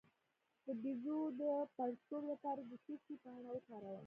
د بیضو د پړسوب لپاره د څه شي پاڼه وکاروم؟